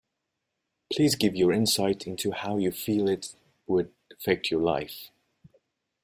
Please give your insight into how you feel it would affect your life.